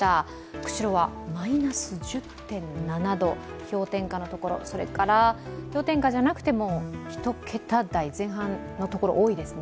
釧路はマイナス１０．７度、氷点下のところそれから氷点下じゃなくても１桁台前半のところが多いですね。